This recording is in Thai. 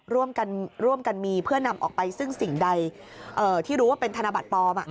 ร่วมกันร่วมกันมีเพื่อนำออกไปซึ่งสิ่งใดที่รู้ว่าเป็นธนบัตรปลอม